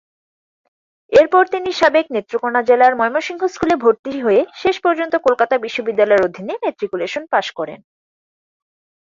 এরপর তিনি সাবেক নেত্রকোণা জেলার ময়মনসিংহ স্কুলে ভরতি হয়ে শেষ পর্যন্ত কলকাতা বিশ্ববিদ্যালয়ের অধীনে ম্যাট্রিকুলেশন পাশ করেন।